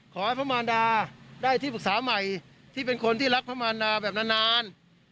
พระมารดาได้ที่ปรึกษาใหม่ที่เป็นคนที่รักพระมารดาแบบนาน